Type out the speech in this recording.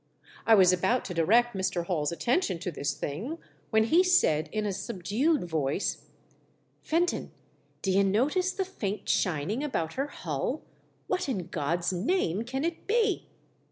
I was about to direct Mr. Hall's attention to this thing, when he said in a subdued voice, " Fenton, d'ye notice the faint shining about her hull ? What, in God's name, can it be